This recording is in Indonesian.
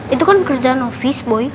itu kan kerjaan office boy